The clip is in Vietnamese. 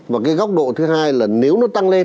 và cái góc độ thứ hai là nếu nó tăng lên